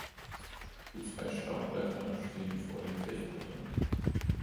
Die zwei Staubblätter stehen vor den Kelchblättern.